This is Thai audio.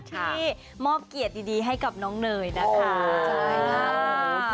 ที่มอบเกียรติดีให้กับน้องเนยนะคะ